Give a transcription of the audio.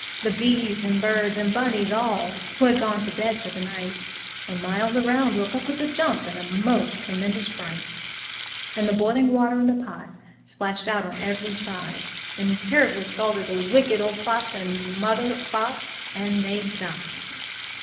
The bees and birds and bunnies all, Who had gone to bed for the night, For miles around, woke up with a jump In a most tremendous fright. And the boiling water in the pot Splashed out on every side, And terribly scalded the Wicked Old Fox, And Old Mother Fox, and they died.